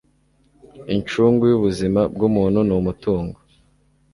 Incungu y’ubuzima bw’umuntu ni umutungo